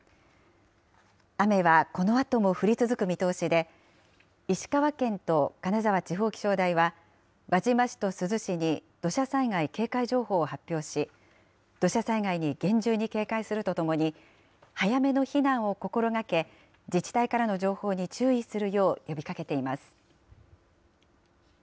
雨はこのあとも降り続く見通しで、石川県と金沢地方気象台は、輪島市と珠洲市に土砂災害警戒情報を発表し、土砂災害に厳重に警戒するとともに、早めの避難を心がけ、自治体からの情報に注意するよう呼びかけています。